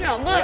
ya udah yuk